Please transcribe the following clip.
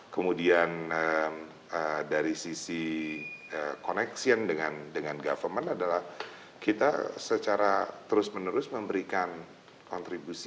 kemudian dari sisi connection dengan government adalah kita secara terus menerus memberikan kontribusi